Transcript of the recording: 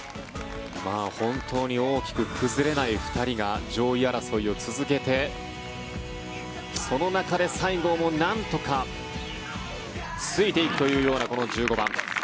本当に大きく崩れない２人が上位争いを続けてその中で西郷もなんとかついていくというようなこの１５番。